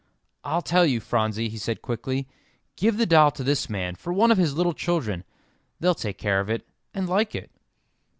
"I'll tell you, Phronsie," he said quickly. "Give the doll to this man for one of his little children; they'll take care of it, and like it."